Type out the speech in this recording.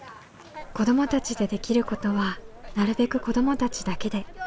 子どもたちでできることはなるべく子どもたちだけで。